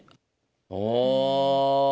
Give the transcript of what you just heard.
ああ。